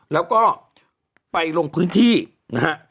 แล้วก็ไปลงพื้นที่นะฮะ